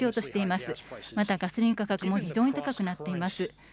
またガソリン価格も非常に高くなっています。